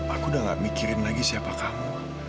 aku udah gak mikirin lagi siapa kamu